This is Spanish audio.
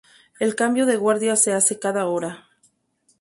El cambio de guardia se hace cada hora.